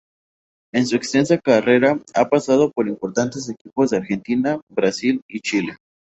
En su extensa carrera ha pasado por importantes equipos de Argentina, Brasil y Chile.